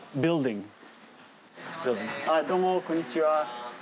あっどうもこんにちは。